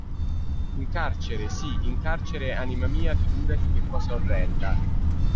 In carcere, sì, in carcere, anima mia, figurati che cosa orrenda.